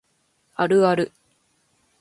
あるある